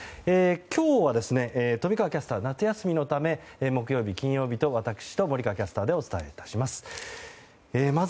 今日は、富川キャスター夏休みのため木曜日、金曜日と私と森川キャスターでお伝え致します。